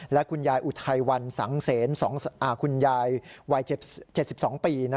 และคุณยายอุทัยวันสังเสนคุณยายวัย๗๒ปี